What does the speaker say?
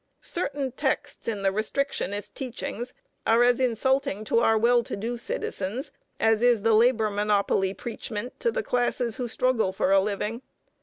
Certain texts in the restrictionist teachings are as insulting to our well to do citizens as is the labor monopoly preachment to the classes who struggle for a living.